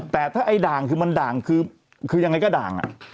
แต่ถ้าไอ้ด่างคือมันด่างคือยังไงก็ด่าง